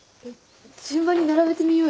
順番に並べてみようよ。